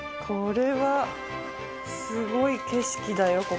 これはすごい景色だよ